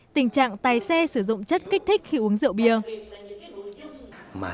tình trạng tài xe sử dụng chất kích thích khi uống rượu bia